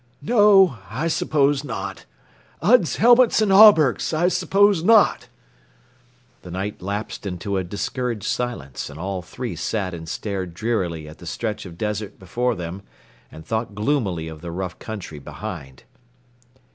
"No, I s'pose not. Uds helmets and hauberks! I s'pose not!" The Knight lapsed into a discouraged silence, and all three sat and stared drearily at the stretch of desert before them and thought gloomily of the rough country behind.